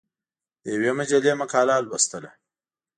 د یوې مجلې مقاله لوستله.